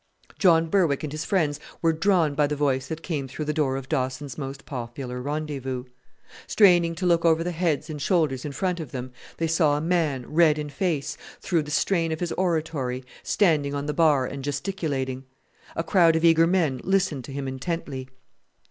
John Berwick and his friends were drawn by the voice that came through the door of Dawson's most popular rendezvous. Straining to look over the heads and shoulders in front of them, they saw a man, red in face, through the strain of his oratory, standing on the bar and gesticulating. A crowd of eager men listened to him intently.